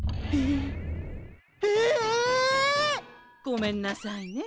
えっ！ごめんなさいね。